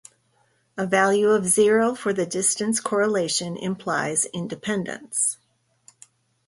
A value of zero for the distance correlation implies independence.